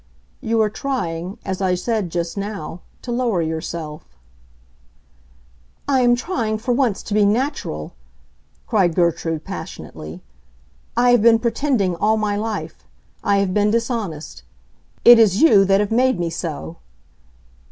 "You are trying, as I said just now, to lower yourself." "I am trying for once to be natural!" cried Gertrude passionately. "I have been pretending, all my life; I have been dishonest; it is you that have made me so!"